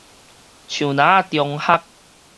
樹林仔中學